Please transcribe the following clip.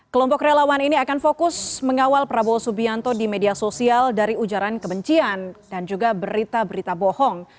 kelompok relawan ini akan fokus mengawal prabowo subianto di media sosial dari ujaran kebencian dan juga berita berita bohong